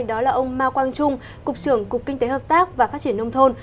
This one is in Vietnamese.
đó là ông mao quang trung cục trưởng cục kinh tế hợp tác và phát triển nông thôn